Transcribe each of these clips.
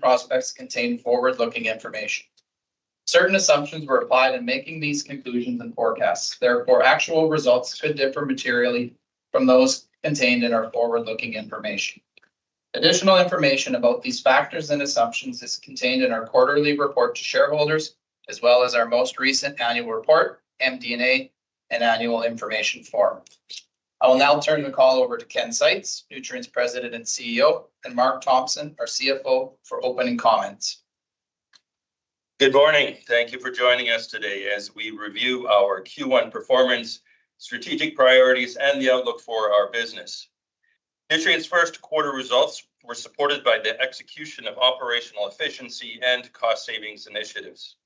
Prospects contain forward-looking information. Certain assumptions were applied in making these conclusions and forecasts. Therefore, actual results could differ materially from those contained in our forward-looking information. Additional information about these factors and assumptions is contained in our quarterly report to shareholders, as well as our most recent annual report, MD&A, and annual information form. I will now turn the call over to Ken Seitz, Nutrien's President and CEO, and Mark Thompson, our CFO, for opening comments. Good morning. Thank you for joining us today as we review our Q1 performance, strategic priorities, and the outlook for our business. Nutrien's first quarter results were supported by the execution of operational efficiency and cost savings initiatives.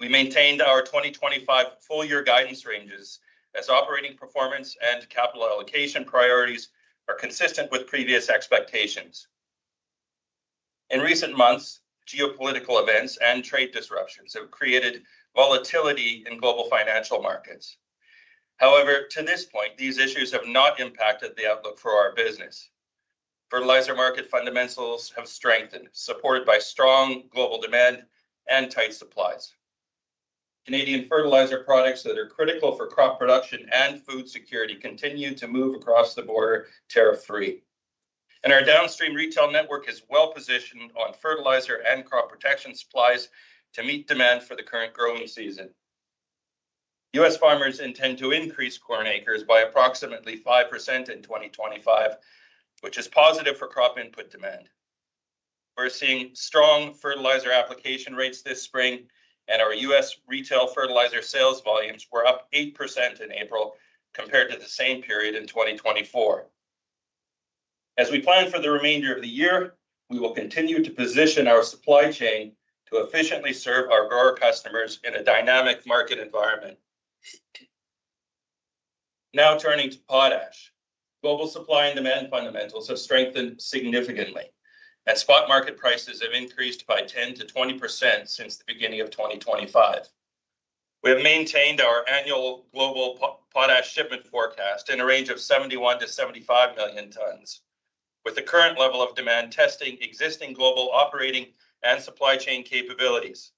We maintained our 2025 full-year guidance ranges as operating performance and capital allocation priorities are consistent with previous expectations. In recent months, geopolitical events and trade disruptions have created volatility in global financial markets. However, to this point, these issues have not impacted the outlook for our business. Fertilizer market fundamentals have strengthened, supported by strong global demand and tight supplies. Canadian fertilizer products that are critical for crop production and food security continue to move across the border tariff-free, and our downstream retail network is well positioned on fertilizer and crop protection supplies to meet demand for the current growing season. U.S. Farmers intend to increase corn acres by approximately 5% in 2025, which is positive for crop input demand. We're seeing strong fertilizer application rates this spring, and our U.S. retail fertilizer sales volumes were up 8% in April compared to the same period in 2024. As we plan for the remainder of the year, we will continue to position our supply chain to efficiently serve our grower customers in a dynamic market environment. Now turning to potash, global supply and demand fundamentals have strengthened significantly, and spot market prices have increased by 10%-20% since the beginning of 2025. We have maintained our annual global potash shipment forecast in a range of 71-75 million tons, with the current level of demand testing existing global operating and supply chain capabilities.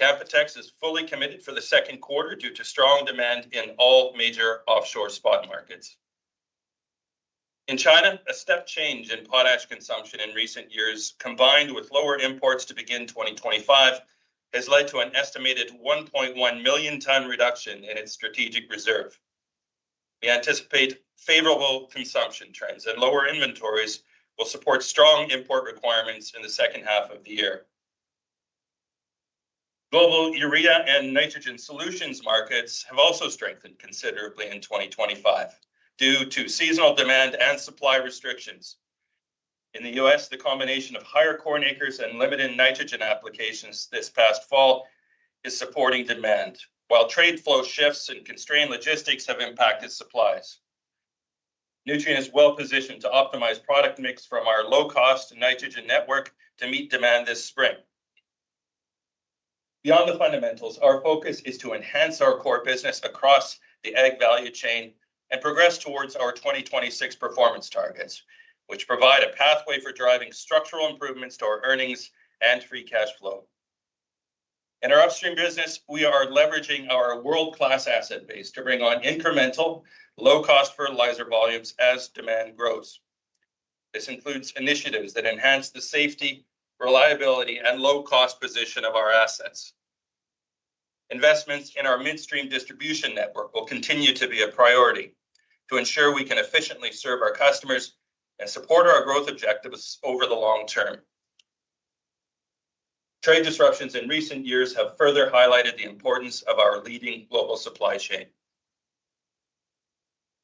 Canpotex is fully committed for the second quarter due to strong demand in all major offshore spot markets. In China, a step change in potash consumption in recent years, combined with lower imports to begin 2025, has led to an estimated 1.1 million-ton reduction in its strategic reserve. We anticipate favorable consumption trends and lower inventories will support strong import requirements in the second half of the year. Global urea and nitrogen solutions markets have also strengthened considerably in 2025 due to seasonal demand and supply restrictions. In the U.S., the combination of higher corn acres and limited nitrogen applications this past fall is supporting demand, while trade flow shifts and constrained logistics have impacted supplies. Nutrien is well positioned to optimize product mix from our low-cost nitrogen network to meet demand this spring. Beyond the fundamentals, our focus is to enhance our core business across the ag value chain and progress towards our 2026 performance targets, which provide a pathway for driving structural improvements to our earnings and free cash flow. In our upstream business, we are leveraging our world-class asset base to bring on incremental, low-cost fertilizer volumes as demand grows. This includes initiatives that enhance the safety, reliability, and low-cost position of our assets. Investments in our midstream distribution network will continue to be a priority to ensure we can efficiently serve our customers and support our growth objectives over the long term. Trade disruptions in recent years have further highlighted the importance of our leading global supply chain.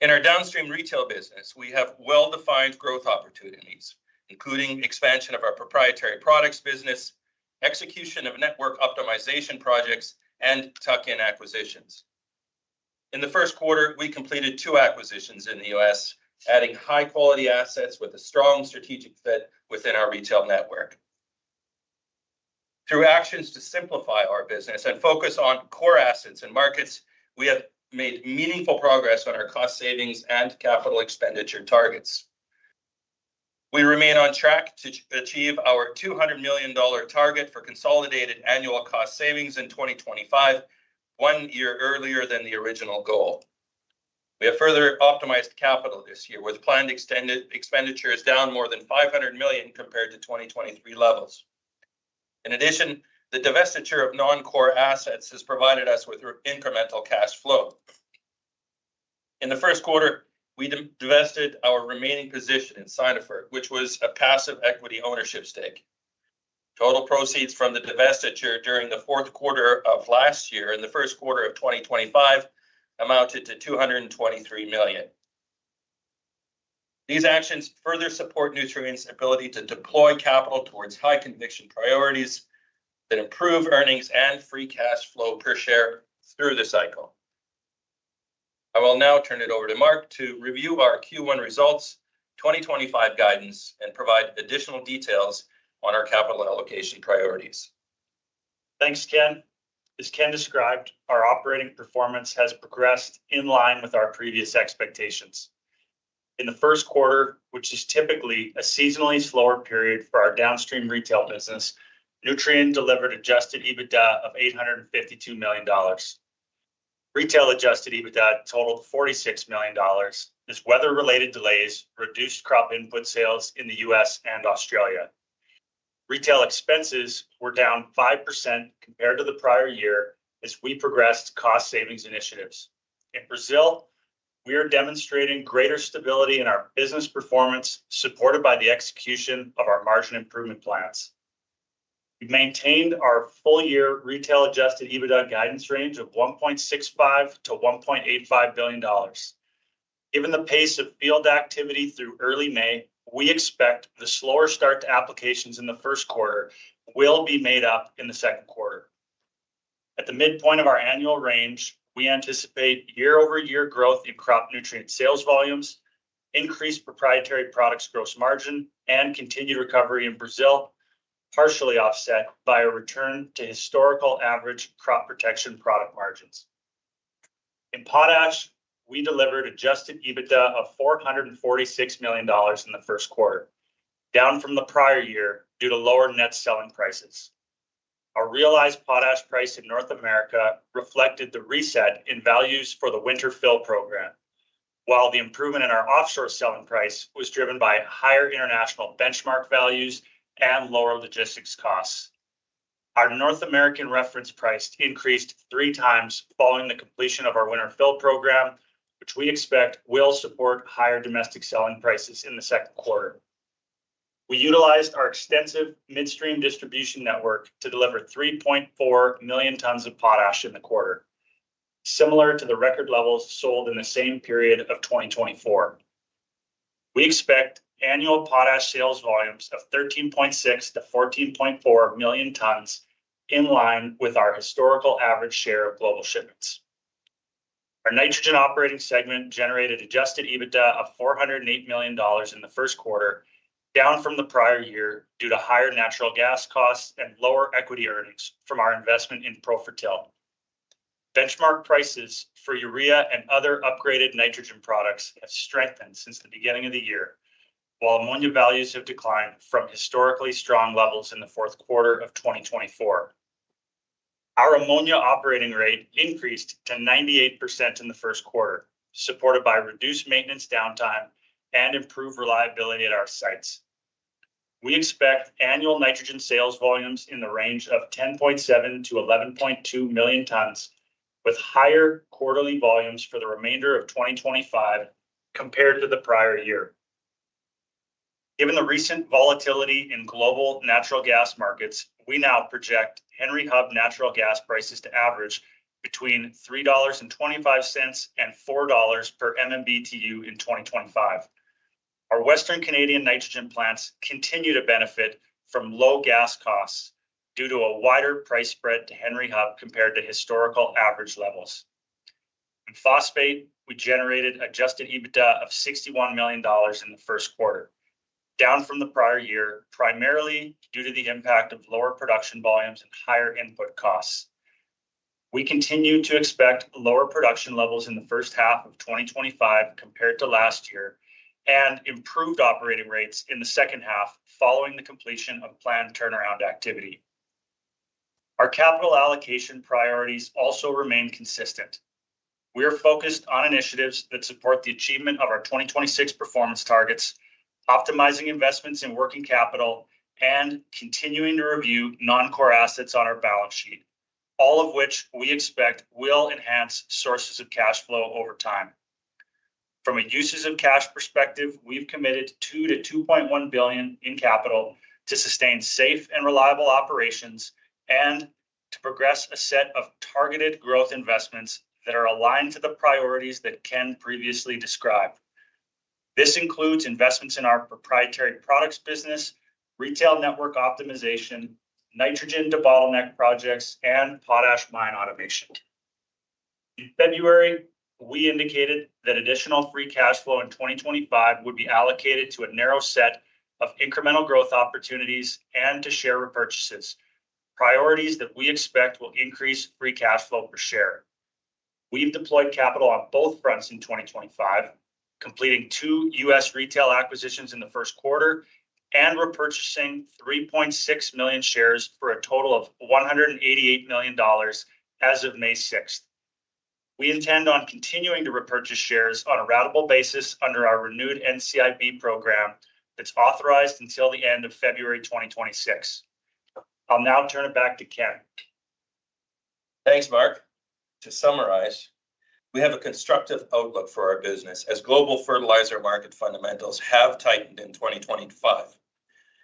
In our downstream retail business, we have well-defined growth opportunities, including expansion of our proprietary products business, execution of network optimization projects, and tuck-in acquisitions. In the first quarter, we completed two acquisitions in the U.S., adding high-quality assets with a strong strategic fit within our retail network. Through actions to simplify our business and focus on core assets and markets, we have made meaningful progress on our cost savings and capital expenditure targets. We remain on track to achieve our $200 million target for consolidated annual cost savings in 2025, one year earlier than the original goal. We have further optimized capital this year, with planned expenditures down more than $500 million compared to 2023 levels. In addition, the divestiture of non-core assets has provided us with incremental cash flow. In the first quarter, we divested our remaining position in Sinofert, which was a passive equity ownership stake. Total proceeds from the divestiture during the fourth quarter of last year and the first quarter of 2025 amounted to $223 million. These actions further support Nutrien's ability to deploy capital towards high-conviction priorities that improve earnings and free cash flow per share through the cycle. I will now turn it over to Mark to review our Q1 results, 2025 guidance, and provide additional details on our capital allocation priorities. Thanks, Ken. As Ken described, our operating performance has progressed in line with our previous expectations. In the first quarter, which is typically a seasonally slower period for our downstream retail business, Nutrien delivered Adjusted EBITDA of $852 million. Retail Adjusted EBITDA totaled $46 million. These weather-related delays reduced crop input sales in the U.S. and Australia. Retail expenses were down 5% compared to the prior year as we progressed cost savings initiatives. In Brazil, we are demonstrating greater stability in our business performance supported by the execution of our margin improvement plans. We maintained our full-year retail Adjusted EBITDA guidance range of $1.65-$1.85 billion. Given the pace of field activity through early May, we expect the slower start to applications in the first quarter will be made up in the second quarter. At the midpoint of our annual range, we anticipate year-over-year growth in crop nutrient sales volumes, increased proprietary products gross margin, and continued recovery in Brazil, partially offset by a return to historical average crop protection product margins. In potash, we delivered Adjusted EBITDA of $446 million in the first quarter, down from the prior year due to lower net selling prices. Our realized potash price in North America reflected the reset in values for the winter fill program, while the improvement in our offshore selling price was driven by higher international benchmark values and lower logistics costs. Our North American reference price increased three times following the completion of our winter fill program, which we expect will support higher domestic selling prices in the second quarter. We utilized our extensive midstream distribution network to deliver 3.4 million tons of potash in the quarter, similar to the record levels sold in the same period of 2024. We expect annual potash sales volumes of 13.6-14.4 million tons in line with our historical average share of global shipments. Our nitrogen operating segment generated Adjusted EBITDA of $408 million in the first quarter, down from the prior year due to higher natural gas costs and lower equity earnings from our investment in Profertil. Benchmark prices for urea and other upgraded nitrogen products have strengthened since the beginning of the year, while ammonia values have declined from historically strong levels in the fourth quarter of 2024. Our ammonia operating rate increased to 98% in the first quarter, supported by reduced maintenance downtime and improved reliability at our sites. We expect annual nitrogen sales volumes in the range of 10.7 to 11.2 million tons, with higher quarterly volumes for the remainder of 2025 compared to the prior year. Given the recent volatility in global natural gas markets, we now project Henry Hub natural gas prices to average between $3.25 and $4 per MMBtu in 2025. Our Western Canadian nitrogen plants continue to benefit from low gas costs due to a wider price spread to Henry Hub compared to historical average levels. In phosphate, we generated Adjusted EBITDA of $61 million in the first quarter, down from the prior year primarily due to the impact of lower production volumes and higher input costs. We continue to expect lower production levels in the first half of 2025 compared to last year and improved operating rates in the second half following the completion of planned turnaround activity. Our capital allocation priorities also remain consistent. We are focused on initiatives that support the achievement of our 2026 performance targets, optimizing investments in working capital, and continuing to review non-core assets on our balance sheet, all of which we expect will enhance sources of cash flow over time. From a uses of cash perspective, we've committed $2-$2.1 billion in capital to sustain safe and reliable operations and to progress a set of targeted growth investments that are aligned to the priorities that Ken previously described. This includes investments in our proprietary products business, retail network optimization, nitrogen debottlenecking projects, and potash mine automation. In February, we indicated that additional free cash flow in 2025 would be allocated to a narrow set of incremental growth opportunities and to share repurchases, priorities that we expect will increase free cash flow per share. We've deployed capital on both fronts in 2025, completing two U.S. retail acquisitions in the first quarter and repurchasing 3.6 million shares for a total of $188 million as of May 6th. We intend on continuing to repurchase shares on a routine basis under our renewed NCIB program that's authorized until the end of February 2026. I'll now turn it back to Ken. Thanks, Mark. To summarize, we have a constructive outlook for our business as global fertilizer market fundamentals have tightened in 2025,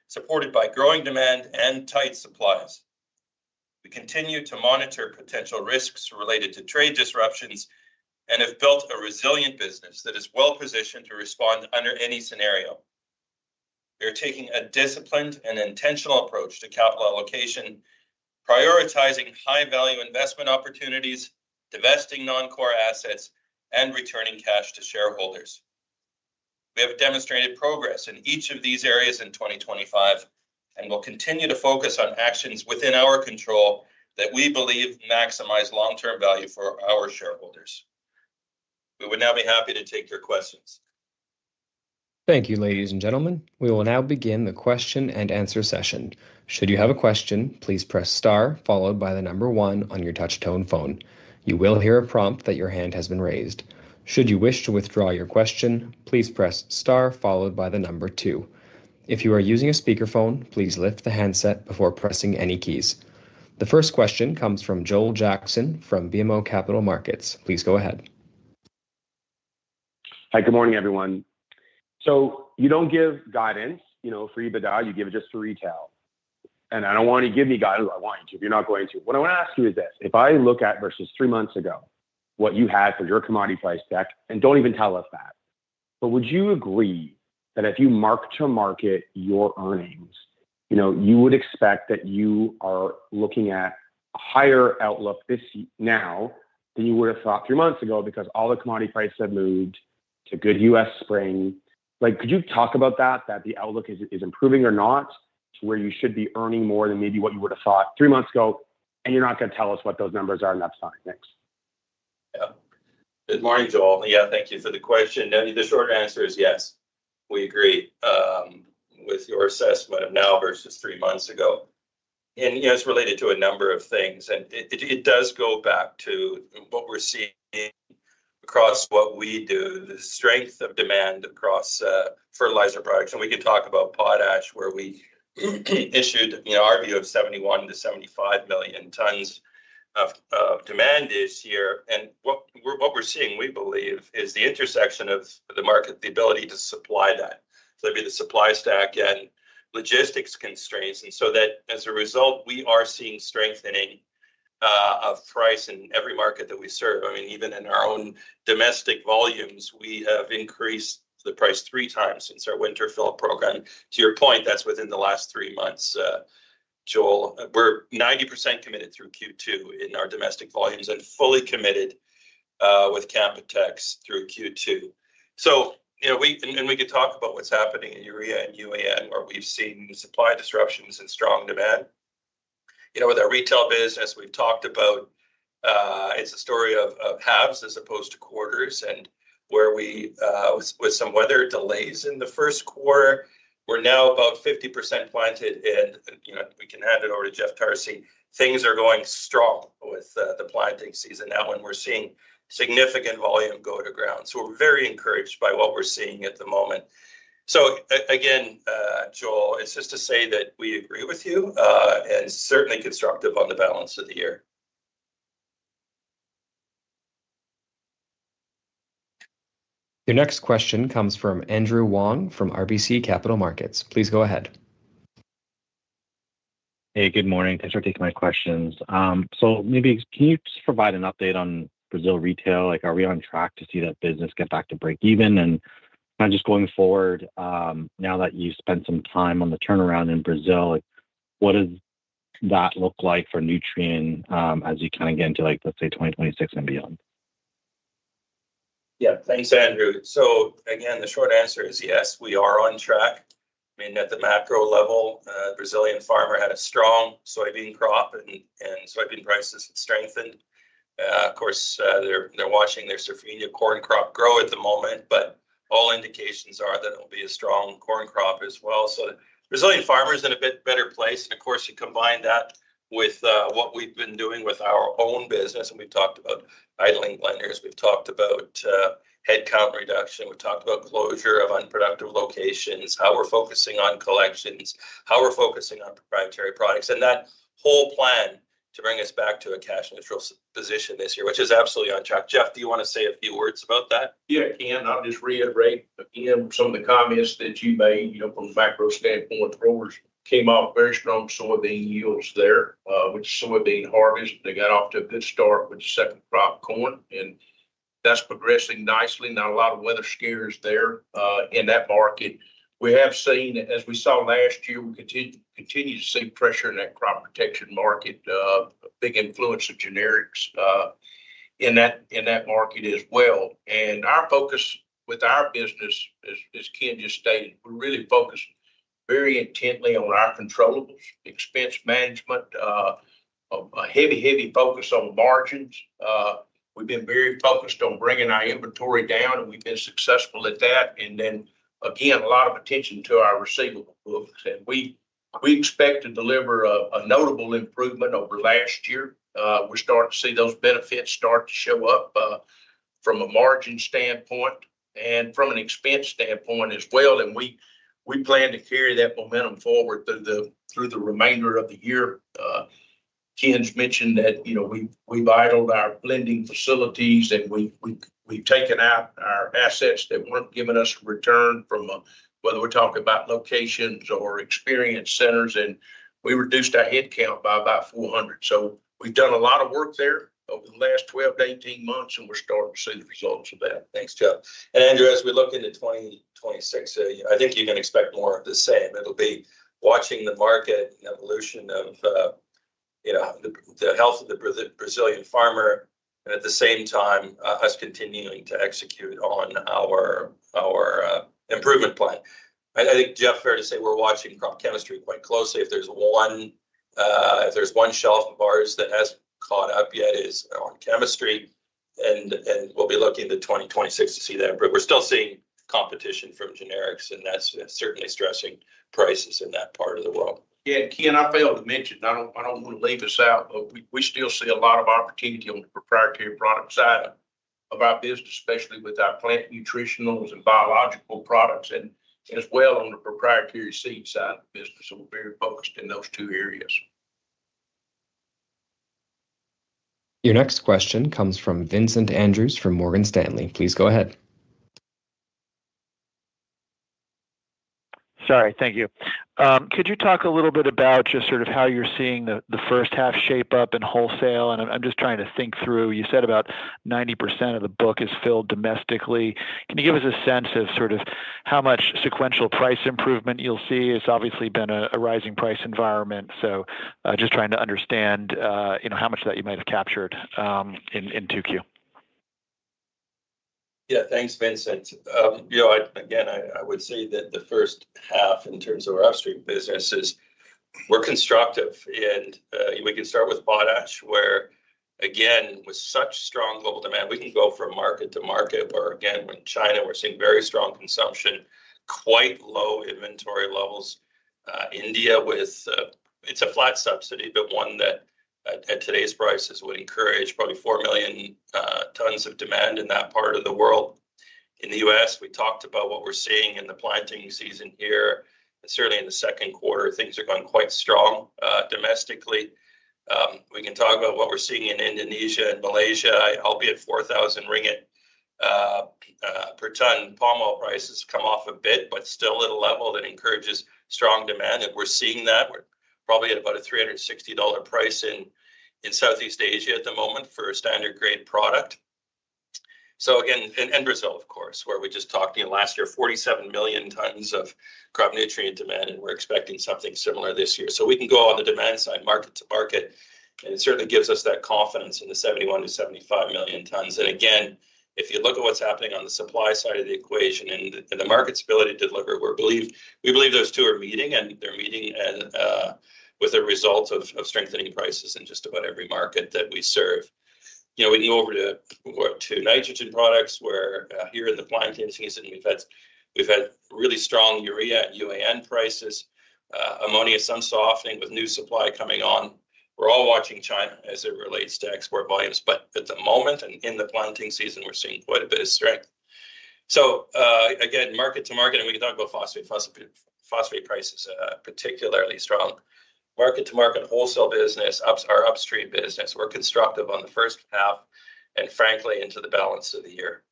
supported by growing demand and tight supplies. We continue to monitor potential risks related to trade disruptions and have built a resilient business that is well positioned to respond under any scenario. We are taking a disciplined and intentional approach to capital allocation, prioritizing high-value investment opportunities, divesting non-core assets, and returning cash to shareholders. We have demonstrated progress in each of these areas in 2025 and will continue to focus on actions within our control that we believe maximize long-term value for our shareholders. We would now be happy to take your questions. Thank you, ladies and gentlemen. We will now begin the question and answer session. Should you have a question, please press star, followed by the number one on your touch-tone phone. You will hear a prompt that your hand has been raised. Should you wish to withdraw your question, please press star, followed by the number two. If you are using a speakerphone, please lift the handset before pressing any keys. The first question comes from Joel Jackson from BMO Capital Markets. Please go ahead. Hi, good morning, everyone. So you don't give guidance, you know, for EBITDA. You give it just for retail. And I don't want you to give me guidance. I want you to, if you're not going to. What I want to ask you is this: if I look back versus three months ago, what you had for your commodity price deck, and don't even tell us that, but would you agree that if you mark to market your earnings, you know, you would expect that you are looking at a higher outlook now than you would have thought three months ago because all the commodity prices have moved toward good U.S. Spring? Like, could you talk about that, that the outlook is improving or not to where you should be earning more than maybe what you would have thought three months ago, and you're not going to tell us what those numbers are, and that's fine? Thanks. Yeah. Good morning, Joel. Yeah, thank you for the question. The short answer is yes. We agree with your assessment of now versus three months ago. And, you know, it's related to a number of things, and it does go back to what we're seeing across what we do, the strength of demand across fertilizer products. And we can talk about potash, where we issued, you know, our view of 71-75 million tons of demand this year. And what we're seeing, we believe, is the intersection of the market, the ability to supply that. So there'll be the supply stack and logistics constraints. And so that, as a result, we are seeing strengthening of price in every market that we serve. I mean, even in our own domestic volumes, we have increased the price three times since our winter fill program. To your point, that's within the last three months, Joel. We're 90% committed through Q2 in our domestic volumes and fully committed with Canpotex through Q2. So, you know, we, and we could talk about what's happening in urea and UAN, where we've seen supply disruptions and strong demand. You know, with our retail business, we've talked about it's a story of halves as opposed to quarters, and where we, with some weather delays in the first quarter, we're now about 50% planted, and you know, we can hand it over to Jeff Tarsi. Things are going strong with the planting season now, and we're seeing significant volume go to ground, so we're very encouraged by what we're seeing at the moment, so again, Joel, it's just to say that we agree with you and certainly constructive on the balance of the year. Your next question comes from Andrew Wong from RBC Capital Markets. Please go ahead. Hey, good morning. Thanks for taking my questions. So maybe can you just provide an update on Brazil retail? Like, are we on track to see that business get back to breakeven? And kind of just going forward, now that you've spent some time on the turnaround in Brazil, what does that look like for Nutrien as you kind of get into, like, let's say, 2026 and beyond? Yeah, thanks, Andrew. So again, the short answer is yes, we are on track. I mean, at the macro level, the Brazilian farmer had a strong soybean crop, and soybean prices have strengthened. Of course, they're watching their safrinha corn crop grow at the moment, but all indications are that it'll be a strong corn crop as well. So the Brazilian farmer is in a bit better place. And of course, you combine that with what we've been doing with our own business, and we've talked about idling blenders, we've talked about headcount reduction, we've talked about closure of unproductive locations, how we're focusing on collections, how we're focusing on proprietary products, and that whole plan to bring us back to a cash neutral position this year, which is absolutely on track. Jeff, do you want to say a few words about that? Yeah, Ken, I'll just reiterate again some of the comments that you made, you know, from the macro standpoint. Growers came off very strong soybean yields there in the soybean harvest. They got off to a good start with the second crop corn, and that's progressing nicely. Not a lot of weather scares there in that market. We have seen, as we saw last year, we continue to see pressure in that crop protection market, a big influence of generics in that market as well, and our focus with our business, as Ken just stated, we really focus very intently on our controllables, expense management, a heavy, heavy focus on margins. We've been very focused on bringing our inventory down, and we've been successful at that, and then, again, a lot of attention to our receivable books, and we expect to deliver a notable improvement over last year. We're starting to see those benefits start to show up from a margin standpoint and from an expense standpoint as well, and we plan to carry that momentum forward through the remainder of the year. Ken's mentioned that, you know, we've idled our blending facilities, and we've taken out our assets that weren't giving us a return from whether we're talking about locations or experience centers, and we reduced our headcount by about 400, so we've done a lot of work there over the last 12-18 months, and we're starting to see the results of that. Thanks, Joel. And, Andrew, as we look into 2026, I think you can expect more of the same. It'll be watching the market and evolution of, you know, the health of the Brazilian farmer, and at the same time, us continuing to execute on our improvement plan. I think, Jeff, it's fair to say we're watching crop chemistry quite closely. If there's one shelf of ours that has caught up yet is on chemistry, and we'll be looking to 2026 to see that. But we're still seeing competition from generics, and that's certainly stressing prices in that part of the world. Yeah, and Ken, I failed to mention, I don't want to leave this out, but we still see a lot of opportunity on the proprietary product side of our business, especially with our plant nutritionals and biological products, and as well on the proprietary seed side of the business. So we're very focused in those two areas. Your next question comes from Vincent Andrews from Morgan Stanley. Please go ahead. Sorry, thank you. Could you talk a little bit about just sort of how you're seeing the first half shape up in wholesale? And I'm just trying to think through. You said about 90% of the book is filled domestically. Can you give us a sense of sort of how much sequential price improvement you'll see? It's obviously been a rising price environment. So just trying to understand, you know, how much of that you might have captured in 2Q. Yeah, thanks, Vincent. You know, again, I would say that the first half in terms of our upstream businesses, we're constructive, and we can start with potash, where, again, with such strong global demand, we can go from market to market, where, again, in China, we're seeing very strong consumption, quite low inventory levels. India, with its a flat subsidy, but one that, at today's prices, would encourage probably 4 million tons of demand in that part of the world. In the U.S., we talked about what we're seeing in the planting season here, and certainly in the second quarter, things are going quite strong domestically. We can talk about what we're seeing in Indonesia and Malaysia, albeit 4,000 ringgit per ton palm oil prices come off a bit, but still at a level that encourages strong demand, and we're seeing that. We're probably at about a $360 price in Southeast Asia at the moment for a standard-grade product. So again, in Brazil, of course, where we just talked to you last year, 47 million tons of crop nutrient demand, and we're expecting something similar this year. So we can go on the demand side, market to market, and it certainly gives us that confidence in the 71-75 million tons. If you look at what's happening on the supply side of the equation and the market's ability to deliver, we believe those two are meeting, and they're meeting with the results of strengthening prices in just about every market that we serve. You know, we can go over to nitrogen products where here in the planting season, we've had really strong urea and UAN prices, ammonia's softening with new supply coming on. We're all watching China as it relates to export volumes, but at the moment and in the planting season, we're seeing quite a bit of strength. So again, market to market, and we can talk about phosphate prices particularly strong. Market to market wholesale business, our upstream business, we're constructive on the first half and frankly into the balance of the year.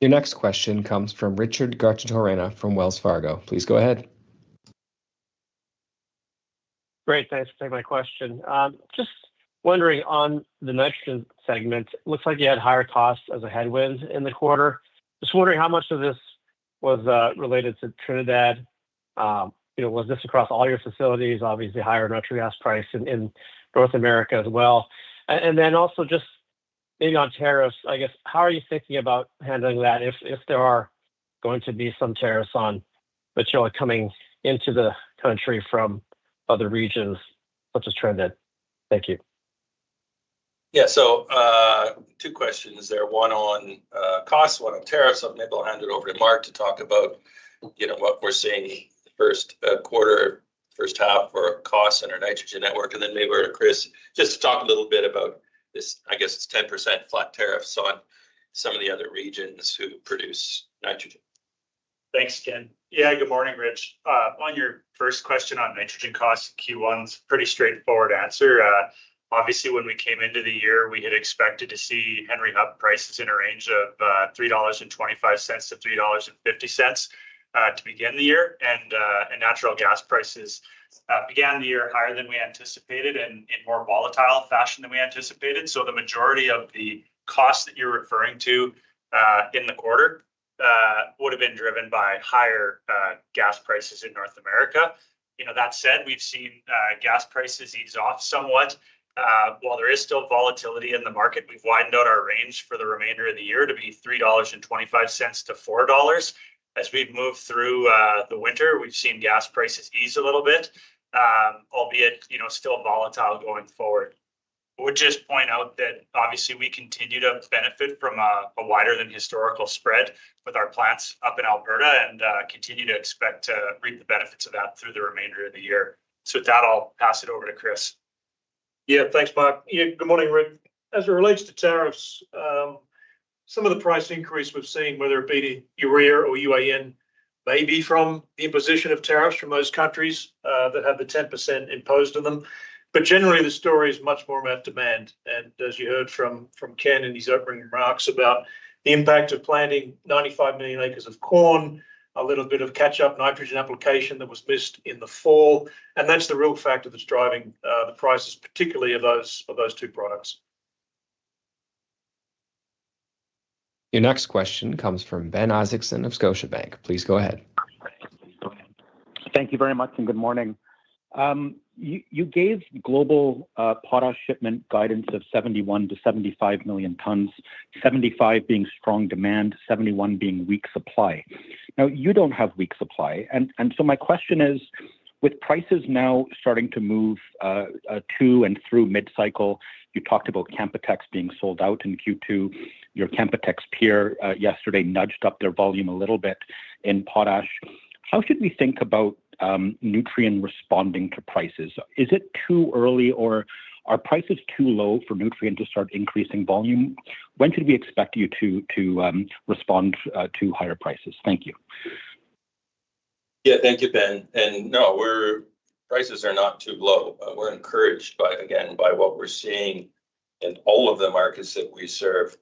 Your next question comes from Richard Garchitorena from Wells Fargo. Please go ahead. Great, thanks for taking my question. Just wondering on the nitrogen segment, it looks like you had higher costs as a headwind in the quarter. Just wondering how much of this was related to Trinidad. You know, was this across all your facilities, obviously higher natural gas price in North America as well? And then also just maybe on tariffs, I guess, how are you thinking about handling that if there are going to be some tariffs on material coming into the country from other regions such as Trinidad? Thank you. Yeah, so two questions there. One on costs, one on tariffs. I'll maybe hand it over to Mark to talk about, you know, what we're seeing in the first quarter, first half for costs in our nitrogen network. And then maybe we'll turn to Chris just to talk a little bit about this, I guess it's 10% flat tariffs on some of the other regions who produce nitrogen. Thanks, Ken. Yeah, good morning, Rich. On your first question on nitrogen costs in Q1, it's a pretty straightforward answer. Obviously, when we came into the year, we had expected to see Henry Hub prices in a range of $3.25-$3.50 to begin the year. And natural gas prices began the year higher than we anticipated and in more volatile fashion than we anticipated. So the majority of the costs that you're referring to in the quarter would have been driven by higher gas prices in North America. You know, that said, we've seen gas prices ease off somewhat. While there is still volatility in the market, we've widened out our range for the remainder of the year to be $3.25-$4.00. As we've moved through the winter, we've seen gas prices ease a little bit, albeit, you know, still volatile going forward. I would just point out that obviously we continue to benefit from a wider-than-historical spread with our plants up in Alberta and continue to expect to reap the benefits of that through the remainder of the year, so with that, I'll pass it over to Chris. Yeah, thanks, Mark. Yeah, good morning, Rich. As it relates to tariffs, some of the price increase we've seen, whether it be urea or UAN, may be from the imposition of tariffs from those countries that have the 10% imposed on them. Generally, the story is much more about demand, and as you heard from Ken and his opening remarks about the impact of planting 95 million acres of corn, a little bit of catch-up nitrogen application that was missed in the fall, that's the real factor that's driving the prices, particularly of those two products. Your next question comes from Ben Isaacson of Scotiabank. Please go ahead. Thank you very much and good morning. You gave global potash shipment guidance of 71-75 million tons, 75 being strong demand, 71 being weak supply. Now, you don't have weak supply. And so my question is, with prices now starting to move to and through mid-cycle, you talked about Canpotex being sold out in Q2, your Canpotex peer yesterday nudged up their volume a little bit in potash. How should we think about Nutrien responding to prices? Is it too early, or are prices too low for Nutrien to start increasing volume? When should we expect you to respond to higher prices? Thank you. Yeah, thank you, Ben. And no, prices are not too low. We're encouraged, again, by what we're seeing in all of the markets that we serve.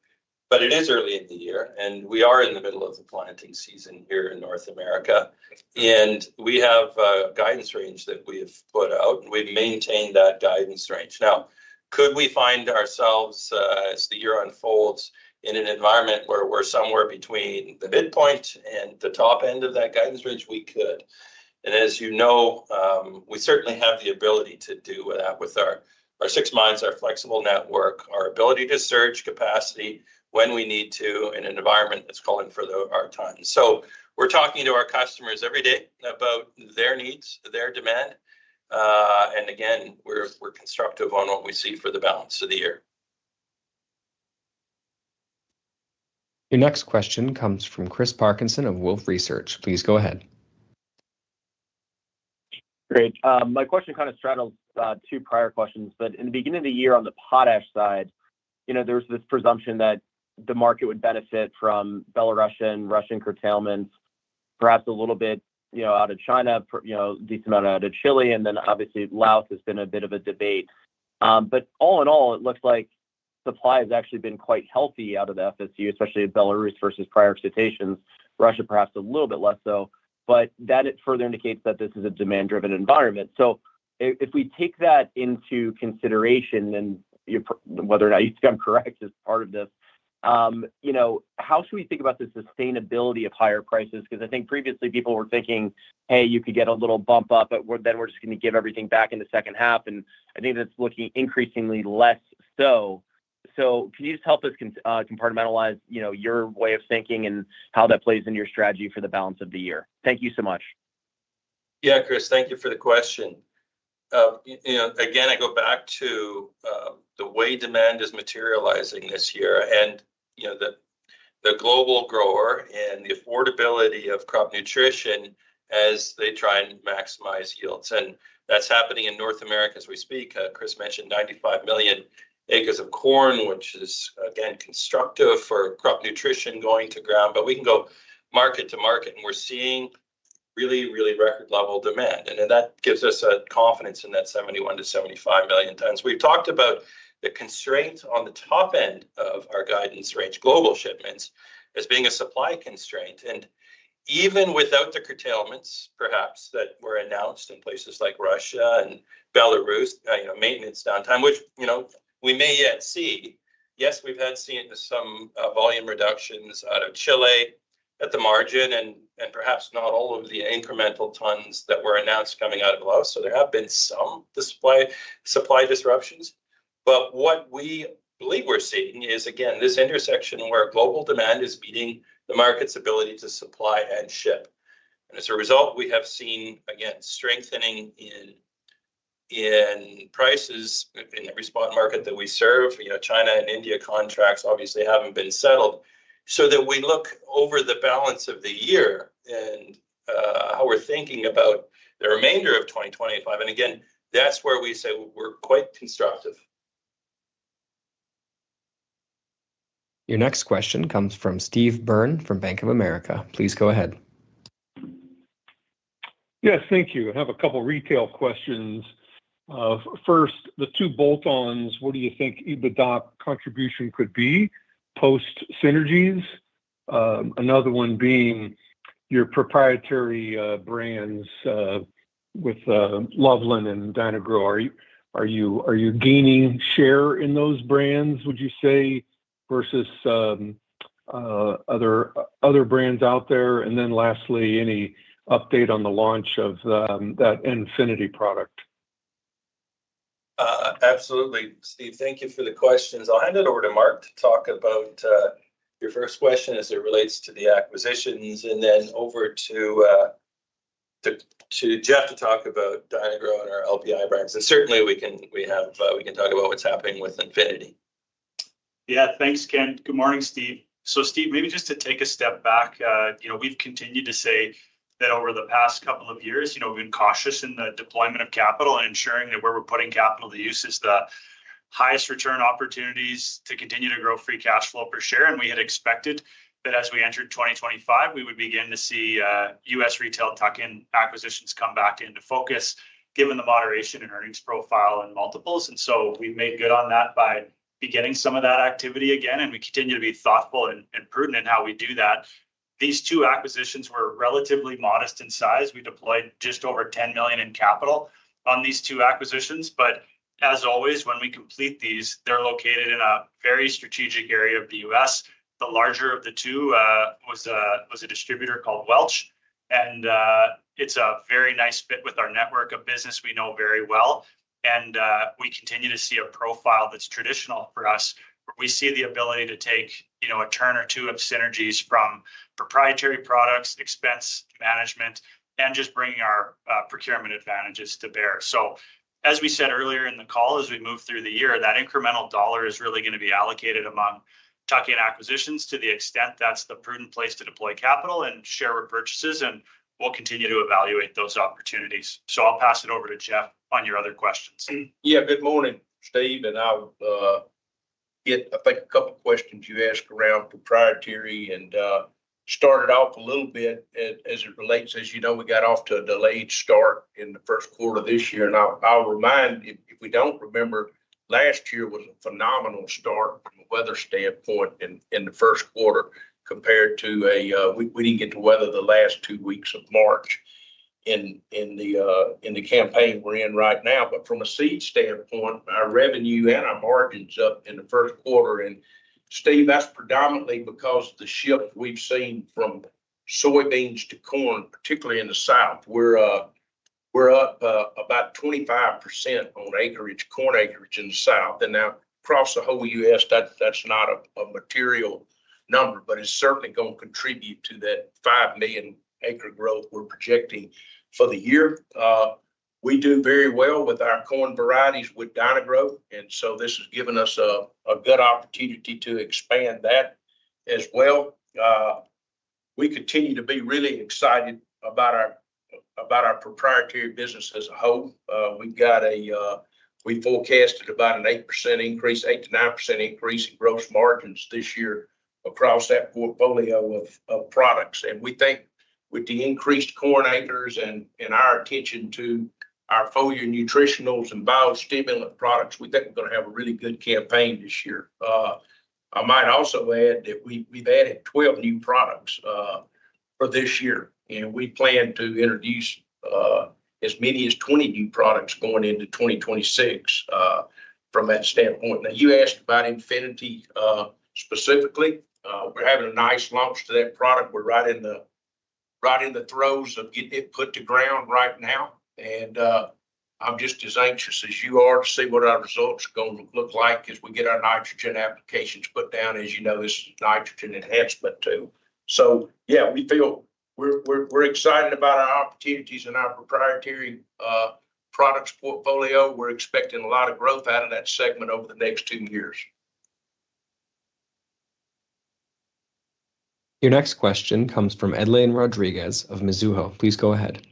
But it is early in the year, and we are in the middle of the planting season here in North America. And we have a guidance range that we have put out, and we've maintained that guidance range. Now, could we find ourselves, as the year unfolds, in an environment where we're somewhere between the midpoint and the top end of that guidance range? We could. And as you know, we certainly have the ability to do that with our six mines, our flexible network, our ability to surge capacity when we need to in an environment that's calling for our time. So we're talking to our customers every day about their needs, their demand. Again, we're constructive on what we see for the balance of the year. Your next question comes from Chris Parkinson of Wolfe Research. Please go ahead. Great. My question kind of straddles two prior questions. But in the beginning of the year on the potash side, you know, there was this presumption that the market would benefit from Belarusian, Russian curtailments, perhaps a little bit, you know, out of China, you know, a decent amount out of Chile. And then obviously Laos has been a bit of a debate. But all in all, it looks like supply has actually been quite healthy out of the FSU, especially Belarus versus prior years. Russia perhaps a little bit less so. But that further indicates that this is a demand-driven environment. So if we take that into consideration, and whether or not you think I'm correct is part of this, you know, how should we think about the sustainability of higher prices? Because I think previously people were thinking, hey, you could get a little bump up, but then we're just going to give everything back in the second half. And I think that's looking increasingly less so. So can you just help us compartmentalize, you know, your way of thinking and how that plays in your strategy for the balance of the year? Thank you so much. Yeah, Chris, thank you for the question. You know, again, I go back to the way demand is materializing this year and, you know, the global grower and the affordability of crop nutrition as they try and maximize yields. And that's happening in North America as we speak. Chris mentioned 95 million acres of corn, which is, again, constructive for crop nutrition going to ground. But we can go market to market, and we're seeing really, really record-level demand. And then that gives us confidence in that 71-75 million tons. We've talked about the constraint on the top end of our guidance range, global shipments, as being a supply constraint. And even without the curtailments, perhaps, that were announced in places like Russia and Belarus, you know, maintenance downtime, which, you know, we may yet see. Yes, we've seen some volume reductions out of Chile at the margin and perhaps not all of the incremental tons that were announced coming out of Laos, so there have been some supply disruptions, but what we believe we're seeing is, again, this intersection where global demand is meeting the market's ability to supply and ship, and as a result, we have seen, again, strengthening in prices in every spot market that we serve. You know, China and India contracts obviously haven't been settled, so that we look over the balance of the year and how we're thinking about the remainder of 2025, and again, that's where we say we're quite constructive. Your next question comes from Steve Byrne from Bank of America. Please go ahead. Yes, thank you. I have a couple of retail questions. First, the two bolt-ons, what do you think EBITDA contribution could be post-synergies? Another one being your proprietary brands with Loveland and Dyna-Gro. Are you gaining share in those brands, would you say, versus other brands out there? And then lastly, any update on the launch of that Infinity product? Absolutely. Steve, thank you for the questions. I'll hand it over to Mark to talk about your first question as it relates to the acquisitions and then over to Jeff to talk about Dyna-Gro and our LPI brands. And certainly we can talk about what's happening with Infinity. Yeah, thanks, Ken. Good morning, Steve. So, Steve, maybe just to take a step back, you know, we've continued to say that over the past couple of years, you know, we've been cautious in the deployment of capital and ensuring that where we're putting capital to use is the highest return opportunities to continue to grow free cash flow per share. And we had expected that as we entered 2025, we would begin to see U.S. retail tuck-in acquisitions come back into focus given the moderation in earnings profile and multiples. And so we've made good on that by beginning some of that activity again. And we continue to be thoughtful and prudent in how we do that. These two acquisitions were relatively modest in size. We deployed just over $10 million in capital on these two acquisitions. But as always, when we complete these, they're located in a very strategic area of the U.S. The larger of the two was a distributor called Welch. And it's a very nice fit with our network of business we know very well. And we continue to see a profile that's traditional for us where we see the ability to take, you know, a turn or two of synergies from proprietary products, expense management, and just bringing our procurement advantages to bear. So as we said earlier in the call, as we move through the year, that incremental dollar is really going to be allocated among tuck-in acquisitions to the extent that's the prudent place to deploy capital and share repurchases. And we'll continue to evaluate those opportunities. So I'll pass it over to Jeff on your other questions. Yeah, good morning, Steve. And I'll get, I think, a couple of questions you asked around proprietary and started off a little bit as it relates. As you know, we got off to a delayed start in the first quarter of this year. And I'll remind, if we don't remember, last year was a phenomenal start from a weather standpoint in the first quarter compared to, we didn't get the weather the last two weeks of March in the campaign we're in right now. But from a seed standpoint, our revenue and our margins up in the first quarter. And Steve, that's predominantly because the shift we've seen from soybeans to corn, particularly in the South, we're up about 25% on acreage, corn acreage in the South. Now across the whole U.S., that's not a material number, but it's certainly going to contribute to that five million acre growth we're projecting for the year. We do very well with our corn varieties with Dyna-Gro. So this has given us a good opportunity to expand that as well. We continue to be really excited about our proprietary business as a whole. We've got a, we forecasted about an 8% increase, 8%-9% increase in gross margins this year across that portfolio of products. We think with the increased corn acres and our attention to our foliar nutritionals and biostimulant products, we think we're going to have a really good campaign this year. I might also add that we've added 12 new products for this year. We plan to introduce as many as 20 new products going into 2026 from that standpoint. Now, you asked about Infinity specifically. We're having a nice launch to that product. We're right in the throes of getting it put to ground right now, and I'm just as anxious as you are to see what our results are going to look like as we get our nitrogen applications put down. As you know, this is nitrogen enhancement too, so yeah, we feel we're excited about our opportunities in our proprietary products portfolio. We're expecting a lot of growth out of that segment over the next two years. Your next question comes from Edlain Rodriguez of Mizuho. Please go ahead.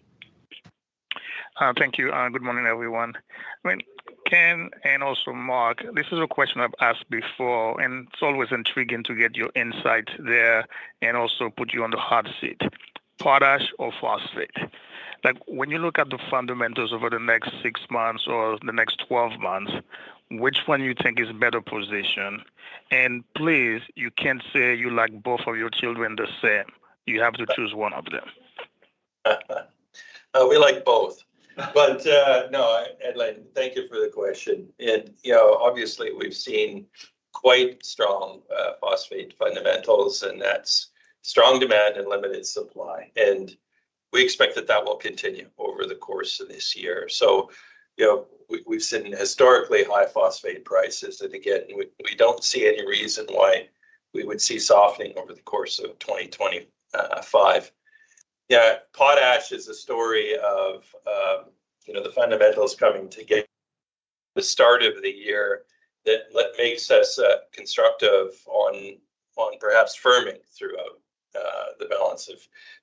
Thank you. Good morning, everyone. I mean, Ken and also Mark, this is a question I've asked before, and it's always intriguing to get your insight there and also put you on the hard seat. Potash or phosphate? Like when you look at the fundamentals over the next six months or the next 12 months, which one do you think is a better position? And please, you can't say you like both of your children the same. You have to choose one of them. We like both. But no, Edlain, thank you for the question. And you know, obviously we've seen quite strong phosphate fundamentals, and that's strong demand and limited supply. And we expect that that will continue over the course of this year. So you know, we've seen historically high phosphate prices. And again, we don't see any reason why we would see softening over the course of 2025. Yeah, potash is a story of, you know, the fundamentals coming to get the start of the year that makes us constructive on perhaps firming throughout the balance of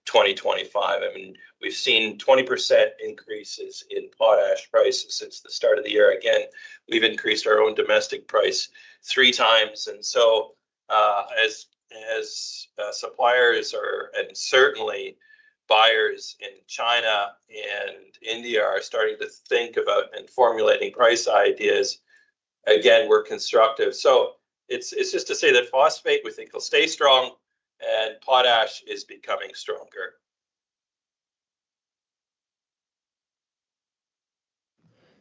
2025. I mean, we've seen 20% increases in potash prices since the start of the year. Again, we've increased our own domestic price three times. And so as suppliers and certainly buyers in China and India are starting to think about and formulating price ideas, again, we're constructive. So it's just to say that phosphate, we think will stay strong, and potash is becoming stronger.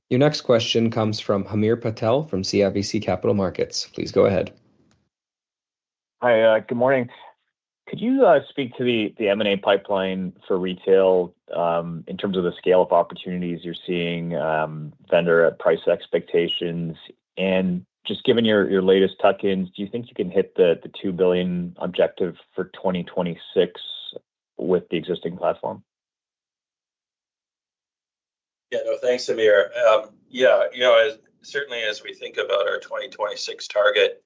Your next question comes from Hamir Patel from CIBC Capital Markets. Please go ahead. Hi, good morning. Could you speak to the M&A pipeline for retail in terms of the scale of opportunities you're seeing, vendor appetite price expectations? And just given your latest tuck-ins, do you think you can hit the $2 billion objective for 2026 with the existing platform? Yeah, no, thanks, Hamir. Yeah, you know, certainly as we think about our 2026 target,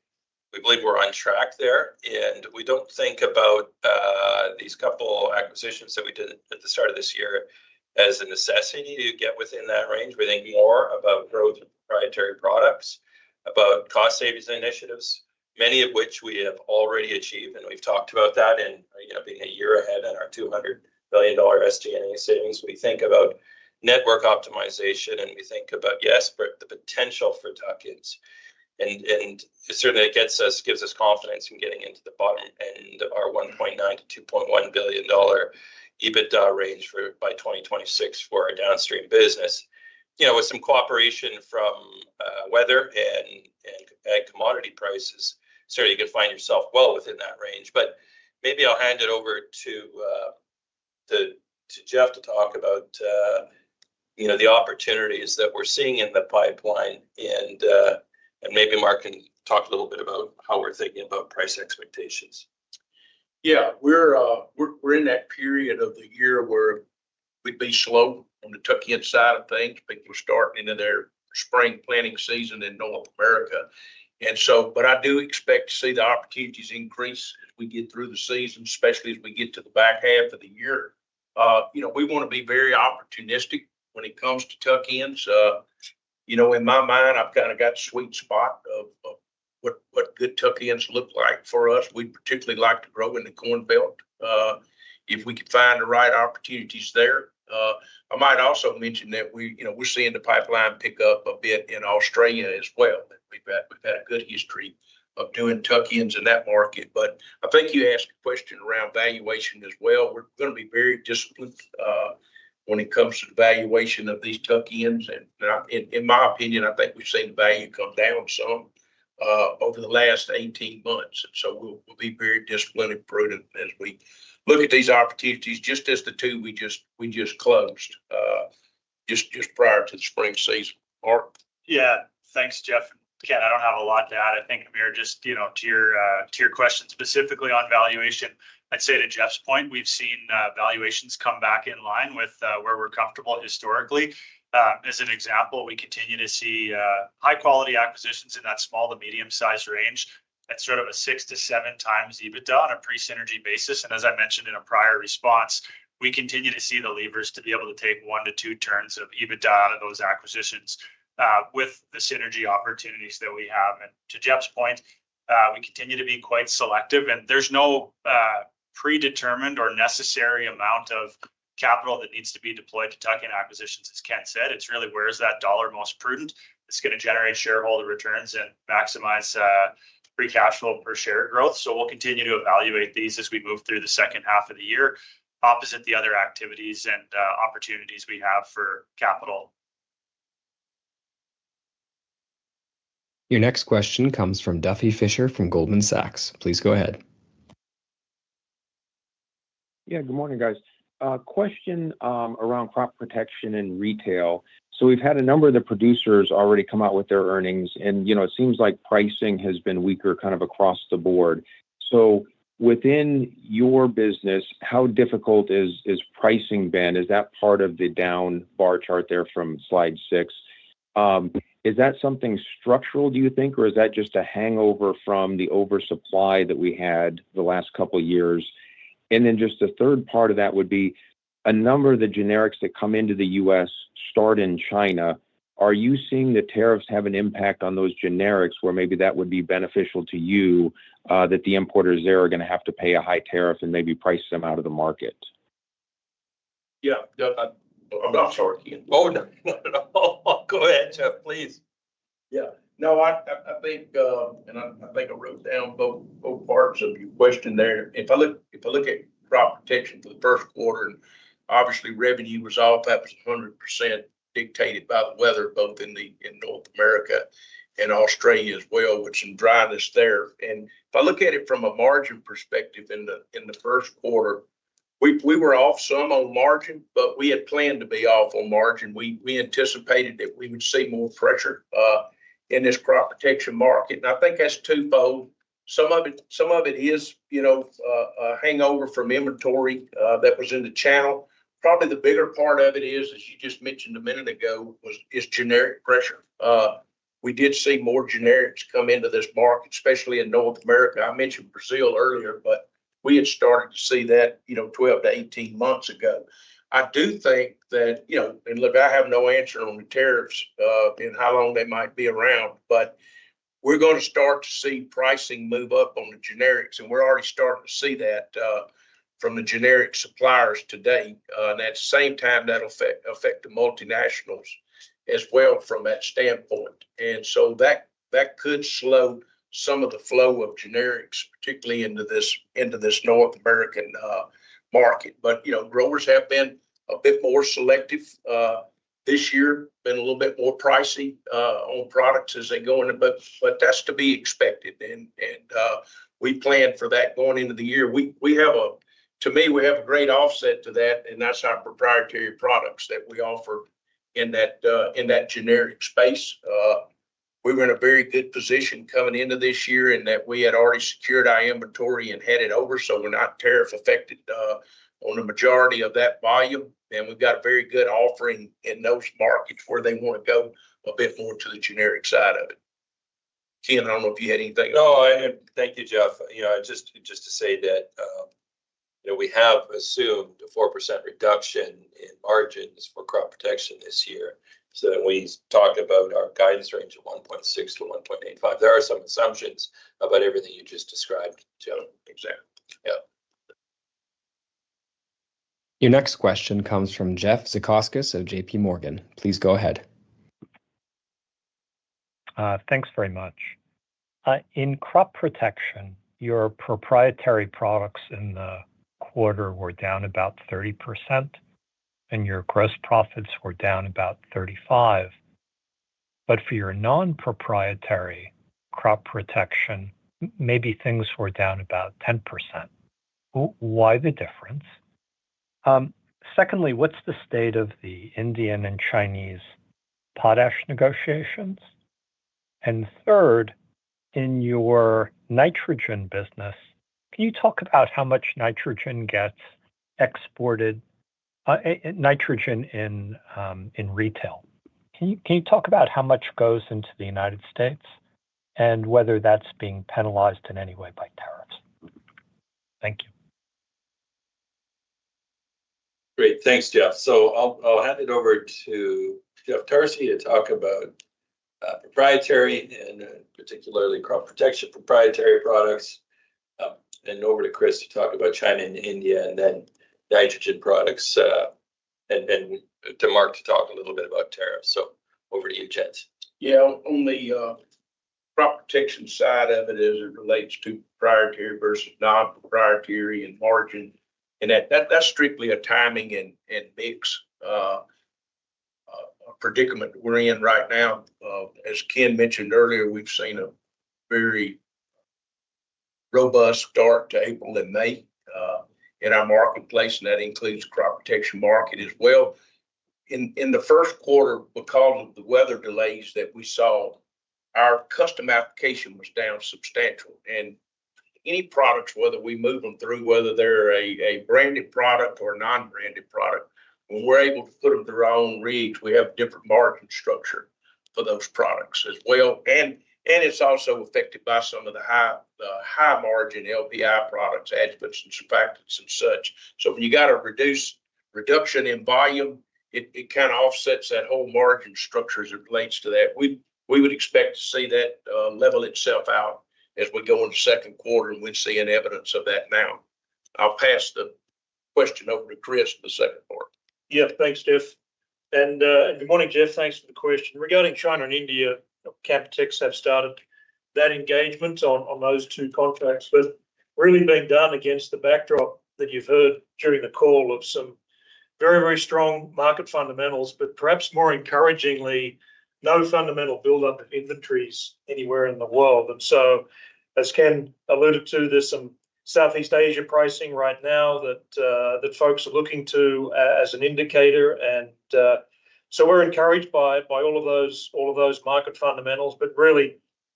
we believe we're on track there. And we don't think about these couple acquisitions that we did at the start of this year as a necessity to get within that range. We think more about growth of proprietary products, about cost savings initiatives, many of which we have already achieved. And we've talked about that. And you know, being a year ahead on our $200 billion SG&A savings, we think about network optimization, and we think about, yes, the potential for tuck-ins. And certainly it gives us confidence in getting into the bottom end of our $1.9-$2.1 billion EBITDA range by 2026 for our downstream business. You know, with some cooperation from weather and commodity prices, certainly you can find yourself well within that range. But maybe I'll hand it over to Jeff to talk about, you know, the opportunities that we're seeing in the pipeline. And maybe Mark can talk a little bit about how we're thinking about price expectations. Yeah, we're in that period of the year where we've been slow on the tuck-in side, I think, but we're starting in their spring planting season in North America, and so but I do expect to see the opportunities increase as we get through the season, especially as we get to the back half of the year. You know, we want to be very opportunistic when it comes to tuck-ins. You know, in my mind, I've kind of got a sweet spot of what good tuck-ins look like for us. We'd particularly like to grow in the Corn Belt if we could find the right opportunities there. I might also mention that we, you know, we're seeing the pipeline pick up a bit in Australia as well. We've had a good history of doing tuck-ins in that market. But I think you asked a question around valuation as well. We're going to be very disciplined when it comes to the valuation of these tuck-ins. And in my opinion, I think we've seen the value come down some over the last 18 months. And so we'll be very disciplined and prudent as we look at these opportunities just as the two we just closed just prior to the spring season. Mark? Yeah, thanks, Jeff. And Ken, I don't have a lot to add. I think, Hamir, just, you know, to your question specifically on valuation, I'd say to Jeff's point, we've seen valuations come back in line with where we're comfortable historically. As an example, we continue to see high-quality acquisitions in that small to medium-sized range at sort of a six to seven times EBITDA on a pre-synergy basis. And as I mentioned in a prior response, we continue to see the levers to be able to take one to two turns of EBITDA out of those acquisitions with the synergy opportunities that we have. And to Jeff's point, we continue to be quite selective. And there's no predetermined or necessary amount of capital that needs to be deployed to tuck-in acquisitions, as Ken said. It's really where is that dollar most prudent? It's going to generate shareholder returns and maximize free cash flow per share growth so we'll continue to evaluate these as we move through the second half of the year, opposite the other activities and opportunities we have for capital. Your next question comes from Duffy Fischer from Goldman Sachs. Please go ahead. Yeah, good morning, guys. Question around crop protection and retail. So we've had a number of the producers already come out with their earnings. And you know, it seems like pricing has been weaker kind of across the board. So within your business, how difficult has pricing been? Is that part of the down bar chart there from slide six? Is that something structural, do you think, or is that just a hangover from the oversupply that we had the last couple of years? And then just the third part of that would be a number of the generics that come into the U.S., start in China. Are you seeing the tariffs have an impact on those generics where maybe that would be beneficial to you that the importers there are going to have to pay a high tariff and maybe price them out of the market? Yeah, I'm not sorry. Oh, no, not at all. Go ahead, Jeff, please. Yeah, no, I think I wrote down both parts of your question there. If I look at crop protection for the first quarter, and obviously revenue was off, that was 100% dictated by the weather, both in North America and Australia as well, with some dryness there. And if I look at it from a margin perspective in the first quarter, we were off some on margin, but we had planned to be off on margin. We anticipated that we would see more pressure in this crop protection market. And I think that's twofold. Some of it is, you know, a hangover from inventory that was in the channel. Probably the bigger part of it is, as you just mentioned a minute ago, generic pressure. We did see more generics come into this market, especially in North America. I mentioned Brazil earlier, but we had started to see that, you know, 12 to 18 months ago. I do think that, you know, and look, I have no answer on the tariffs and how long they might be around, but we're going to start to see pricing move up on the generics. And we're already starting to see that from the generic suppliers today. And at the same time, that'll affect the multinationals as well from that standpoint. And so that could slow some of the flow of generics, particularly into this North American market. But you know, growers have been a bit more selective this year, been a little bit more pricey on products as they go in. But that's to be expected. And we plan for that going into the year. To me, we have a great offset to that, and that's our proprietary products that we offer in that generic space. We were in a very good position coming into this year in that we had already secured our inventory and had it over. So we're not tariff-affected on the majority of that volume. And we've got a very good offering in those markets where they want to go a bit more to the generic side of it. Ken, I don't know if you had anything. No, thank you, Jeff. You know, just to say that, you know, we have assumed a 4% reduction in margins for crop protection this year. So we talked about our guidance range of 1.6 to 1.85. There are some assumptions about everything you just described, Joan. Yeah. Your next question comes from Jeff Zekauskas of JPMorgan. Please go ahead. Thanks very much. In crop protection, your proprietary products in the quarter were down about 30%, and your gross profits were down about 35%. But for your non-proprietary crop protection, maybe things were down about 10%. Why the difference? Secondly, what's the state of the Indian and Chinese potash negotiations? And third, in your nitrogen business, can you talk about how much nitrogen gets exported, nitrogen in retail? Can you talk about how much goes into the United States and whether that's being penalized in any way by tariffs? Thank you. Great. Thanks, Jeff. So I'll hand it over to Jeff Tarsi to talk about proprietary, and particularly crop protection proprietary products, and over to Chris to talk about China and India, and then nitrogen products, and then to Mark to talk a little bit about tariffs. So over to you, Ken. Yeah, on the crop protection side of it as it relates to proprietary versus non-proprietary and margin. And that's strictly a timing and mix predicament we're in right now. As Ken mentioned earlier, we've seen a very robust start to April and May in our marketplace, and that includes the crop protection market as well. In the first quarter, because of the weather delays that we saw, our custom application was down substantially. And any products, whether we move them through, whether they're a branded product or a non-branded product, when we're able to put them through our own rigs, we have different margin structure for those products as well. And it's also affected by some of the high-margin LPI products, adjuvants, and surfactants, and such. So when you got a reduction in volume, it kind of offsets that whole margin structure as it relates to that. We would expect to see that level itself out as we go into the second quarter, and we're seeing evidence of that now. I'll pass the question over to Chris for the second part. Yeah, thanks, Jeff. And good morning, Jeff. Thanks for the question. Regarding China and India, Canpotex have started that engagement on those two contracts, but really being done against the backdrop that you've heard during the call of some very, very strong market fundamentals, but perhaps more encouragingly, no fundamental buildup of inventories anywhere in the world. And so, as Ken alluded to, there's some Southeast Asia pricing right now that folks are looking to as an indicator. And so we're encouraged by all of those market fundamentals.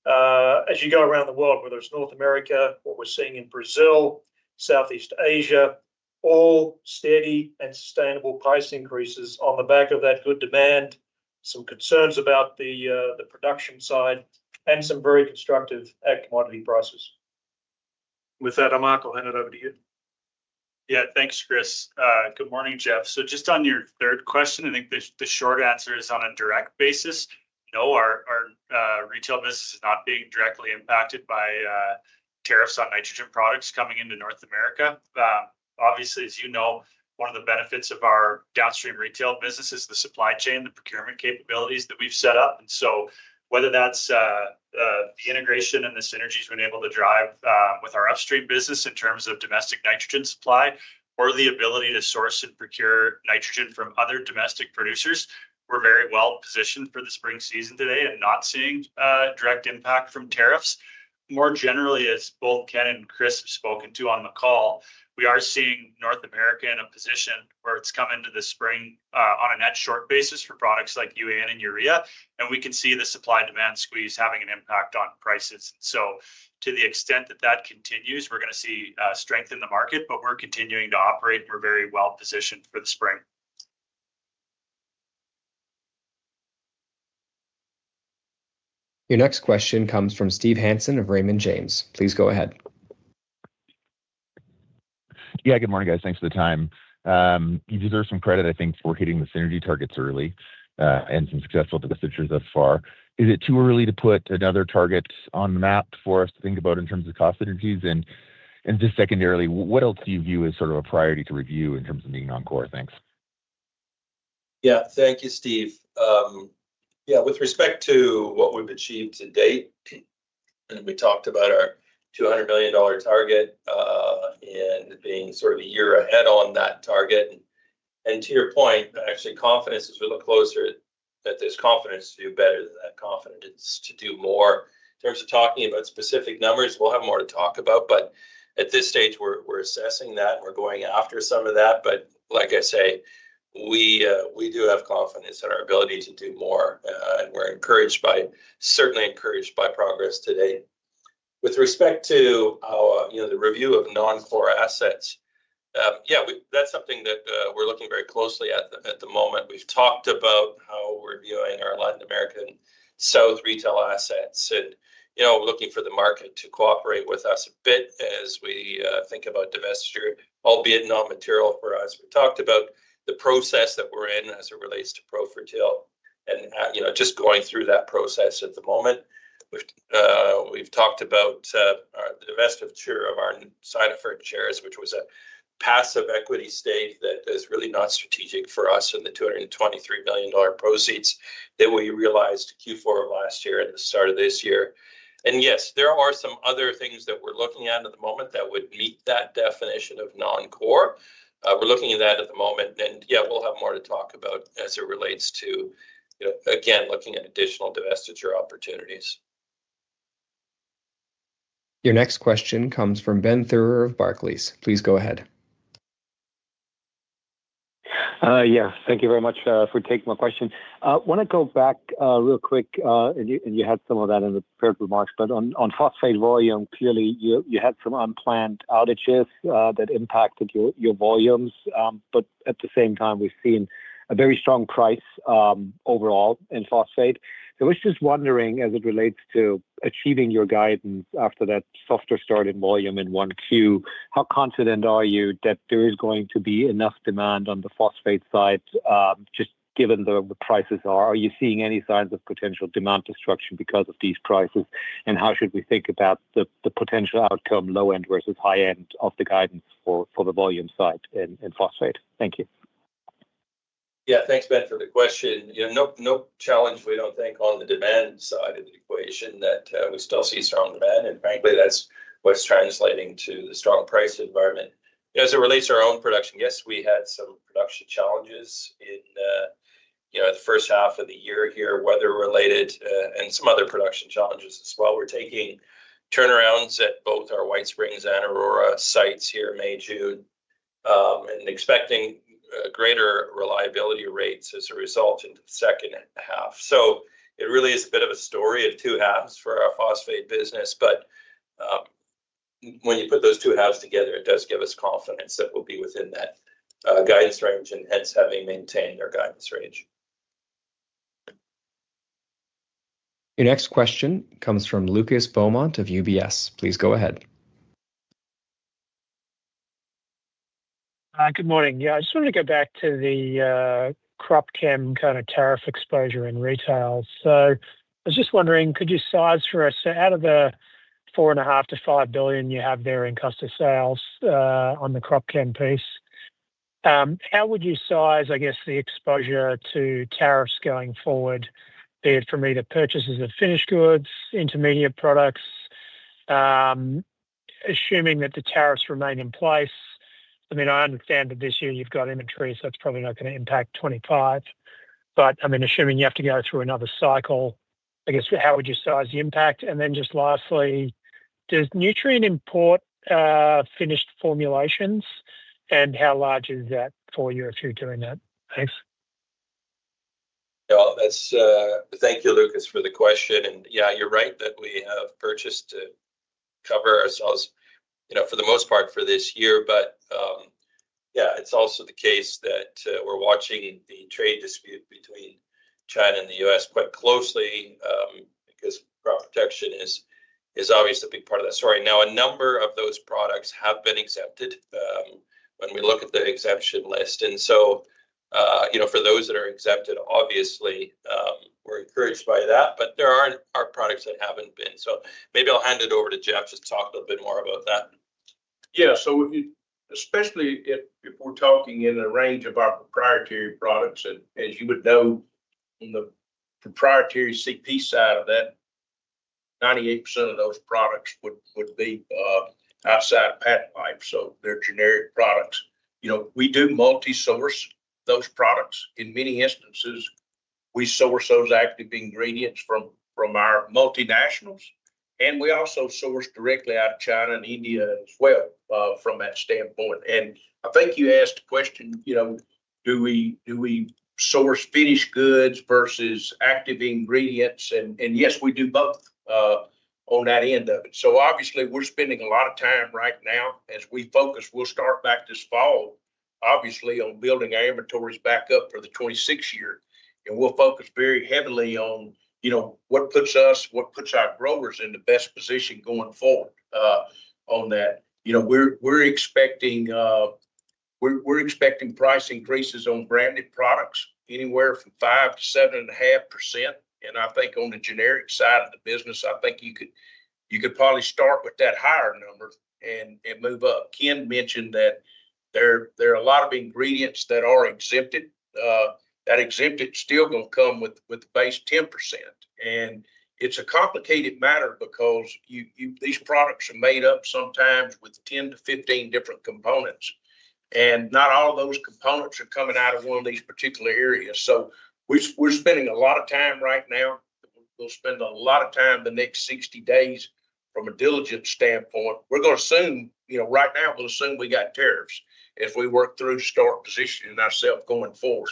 But really, as you go around the world, whether it's North America, what we're seeing in Brazil, Southeast Asia, all steady and sustainable price increases on the back of that good demand, some concerns about the production side, and some very constructive commodity prices. With that, Mark, I'll hand it over to you. Yeah, thanks, Chris. Good morning, Jeff. So just on your third question, I think the short answer is on a direct basis. No, our retail business is not being directly impacted by tariffs on nitrogen products coming into North America. Obviously, as you know, one of the benefits of our downstream retail business is the supply chain, the procurement capabilities that we've set up. And so whether that's the integration and the synergies we're able to drive with our upstream business in terms of domestic nitrogen supply, or the ability to source and procure nitrogen from other domestic producers, we're very well positioned for the spring season today and not seeing direct impact from tariffs. More generally, as both Ken and Chris have spoken to on the call, we are seeing North America in a position where it's come into the spring on a net short basis for products like UAN and urea, and we can see the supply-demand squeeze having an impact on prices, and so to the extent that that continues, we're going to see strength in the market, but we're continuing to operate, and we're very well positioned for the spring. Your next question comes from Steve Hansen of Raymond James. Please go ahead. Yeah, good morning, guys. Thanks for the time. You deserve some credit, I think, for hitting the synergy targets early and some successful divestitures thus far. Is it too early to put another target on the map for us to think about in terms of cost synergies? And just secondarily, what else do you view as sort of a priority to review in terms of being on core? Thanks. Yeah, thank you, Steve. Yeah, with respect to what we've achieved to date, and we talked about our $200 million target and being sort of a year ahead on that target. And to your point, actually, confidence, as we look closer, that there's confidence to do better than that confidence to do more. In terms of talking about specific numbers, we'll have more to talk about. But at this stage, we're assessing that, and we're going after some of that. But like I say, we do have confidence in our ability to do more, and we're encouraged by, certainly encouraged by progress today. With respect to the review of non-core assets, yeah, that's something that we're looking very closely at the moment. We've talked about how we're viewing our Latin American and South retail assets, and we're looking for the market to cooperate with us a bit as we think about divestiture, albeit non-material for us. We talked about the process that we're in as it relates to Profertil and just going through that process at the moment. We've talked about the divestiture of our Sinofert shares, which was a passive equity stake that is really not strategic for us in the $223 million proceeds that we realized Q4 of last year at the start of this year. Yes, there are some other things that we're looking at at the moment that would meet that definition of non-core. We're looking at that at the moment. Yeah, we'll have more to talk about as it relates to, again, looking at additional divestiture opportunities. Your next question comes from Ben Theurer of Barclays. Please go ahead. Yeah, thank you very much for taking my question. I want to go back real quick, and you had some of that in the prepared remarks, but on phosphate volume, clearly, you had some unplanned outages that impacted your volumes. But at the same time, we've seen a very strong price overall in phosphate. So I was just wondering, as it relates to achieving your guidance after that softer start in volume in Q1, how confident are you that there is going to be enough demand on the phosphate side, just given the prices are? Are you seeing any signs of potential demand destruction because of these prices? And how should we think about the potential outcome, low-end versus high-end, of the guidance for the volume side in phosphate? Thank you. Yeah, thanks, Ben, for the question. No challenge, we don't think, on the demand side of the equation that we still see strong demand. And frankly, that's what's translating to the strong price environment. As it relates to our own production, yes, we had some production challenges in the first half of the year here, weather-related, and some other production challenges as well. We're taking turnarounds at both our White Springs and Aurora sites here May, June, and expecting greater reliability rates as a result in the second half. So it really is a bit of a story of two halves for our phosphate business. But when you put those two halves together, it does give us confidence that we'll be within that guidance range and hence having maintained our guidance range. Your next question comes from Lucas Beaumont of UBS. Please go ahead. Good morning. Yeah, I just wanted to go back to the Crop Chem kind of tariff exposure in retail. So I was just wondering, could you size for us out of the $4.5-5 billion you have there in cost of sales on the Crop Chem piece, how would you size, I guess, the exposure to tariffs going forward, be it from either purchases of finished goods, intermediate products, assuming that the tariffs remain in place? I mean, I understand that this year you've got inventory, so it's probably not going to impact 2025. But I mean, assuming you have to go through another cycle, I guess, how would you size the impact? And then just lastly, does Nutrien import finished formulations, and how large is that for you if you're doing that? Thanks. Yeah, thank you, Lucas, for the question. And yeah, you're right that we have purchased to cover ourselves for the most part for this year. But yeah, it's also the case that we're watching the trade dispute between China and the U.S. quite closely because crop protection is obviously a big part of that story. Now, a number of those products have been exempted when we look at the exemption list. And so for those that are exempted, obviously, we're encouraged by that. But there are our products that haven't been. So maybe I'll hand it over to Jeff to talk a little bit more about that. Yeah. So especially if we're talking in the range of our proprietary products, and as you would know, on the proprietary CP side of that, 98% of those products would be outside of patent life. So they're generic products. We do multi-source those products. In many instances, we source those active ingredients from our multinationals, and we also source directly out of China and India as well from that standpoint. And I think you asked the question, do we source finished goods versus active ingredients? And yes, we do both on that end of it. So obviously, we're spending a lot of time right now as we focus. We'll start back this fall, obviously, on building our inventories back up for the 2026 year. And we'll focus very heavily on what puts us, what puts our growers in the best position going forward on that. We're expecting price increases on branded products anywhere from 5%-7.5%. And I think on the generic side of the business, I think you could probably start with that higher number and move up. Ken mentioned that there are a lot of ingredients that are exempted. That exempted is still going to come with the base 10%. And it's a complicated matter because these products are made up sometimes with 10-15 different components, and not all of those components are coming out of one of these particular areas. So we're spending a lot of time right now. We'll spend a lot of time the next 60 days from a diligence standpoint. We're going to assume right now, we'll assume we got tariffs if we work through store positioning ourselves going forward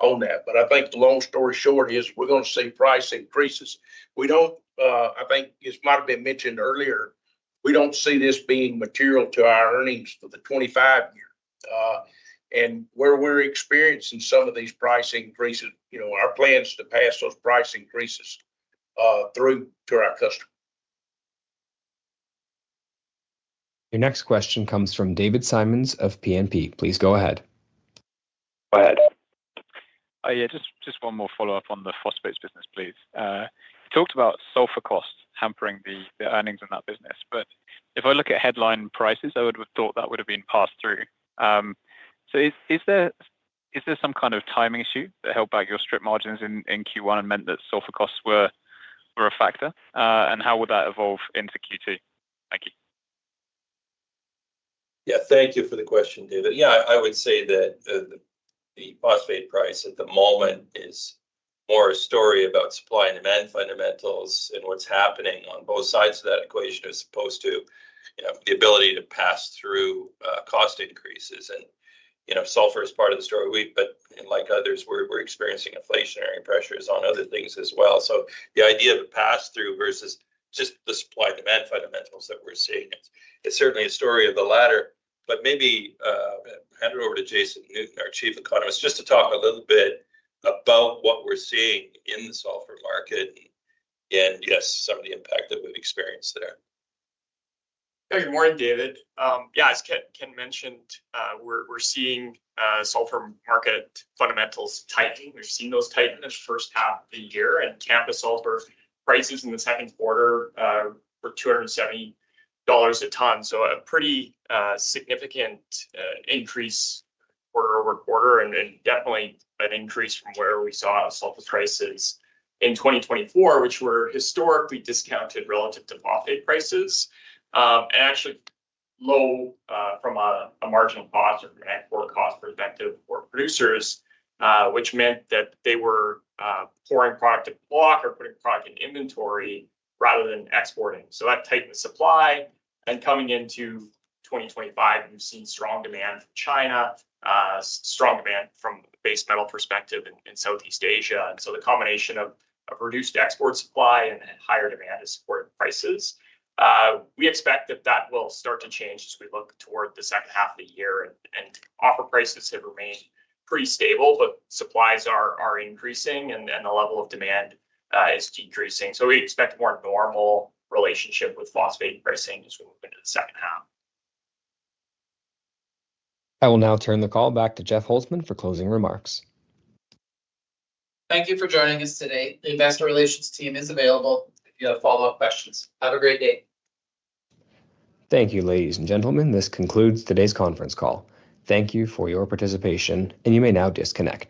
on that. But I think the long story short is we're going to see price increases. I think it might have been mentioned earlier, we don't see this being material to our earnings for the 2025 year, and where we're experiencing some of these price increases, our plan is to pass those price increases through to our customer. Your next question comes from David Simons of PNP. Please go ahead. Go ahead. Yeah, just one more follow-up on the phosphates business, please. You talked about sulfur costs hampering the earnings in that business. But if I look at headline prices, I would have thought that would have been passed through. So is there some kind of timing issue that held back your strip margins in Q1 and meant that sulfur costs were a factor? And how would that evolve into Q2? Thank you. Yeah, thank you for the question, David. Yeah, I would say that the phosphate price at the moment is more a story about supply and demand fundamentals and what's happening on both sides of that equation as opposed to the ability to pass through cost increases. And sulfur is part of the story. But like others, we're experiencing inflationary pressures on other things as well. So the idea of a pass-through versus just the supply-demand fundamentals that we're seeing, it's certainly a story of the latter. But maybe hand it over to Jason Newton, our Chief Economist, just to talk a little bit about what we're seeing in the sulfur market and, yes, some of the impact that we've experienced there. Hey, good morning, David. Yeah, as Ken mentioned, we're seeing sulfur market fundamentals tightening. We've seen those tighten in the first half of the year, and Tampa sulfur prices in the second quarter were $270 a ton, so a pretty significant increase quarter over quarter and definitely an increase from where we saw sulfur prices in 2024, which were historically discounted relative to phosphate prices and actually low from a marginal cost or from an export cost perspective for producers, which meant that they were pouring product to stock or putting product in inventory rather than exporting, so that tightened the supply, and coming into 2025, we've seen strong demand from China, strong demand from a base metal perspective in Southeast Asia, and so the combination of reduced export supply and higher demand is supporting prices. We expect that will start to change as we look toward the second half of the year. And offer prices have remained pretty stable, but supplies are increasing, and the level of demand is decreasing. So we expect a more normal relationship with phosphate pricing as we move into the second half. I will now turn the call back to Jeff Holzman for closing remarks. Thank you for joining us today. The investor relations team is available if you have follow-up questions. Have a great day. Thank you, ladies and gentlemen. This concludes today's conference call. Thank you for your participation, and you may now disconnect.